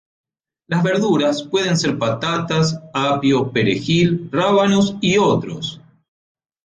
Las verduras pueden ser patatas, apio, perejil, rábanos y otros.